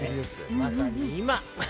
まさに今。